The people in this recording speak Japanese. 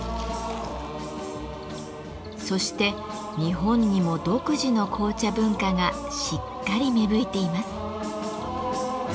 そして日本にも独自の紅茶文化がしっかり芽吹いています。